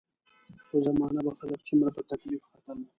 یوه زمانه به خلک څومره په تکلیف ختل.